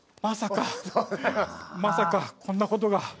まさかまさかこんな事が。